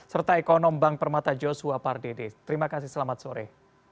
serta ekonom bank permata joshua pardede terima kasih selamat sore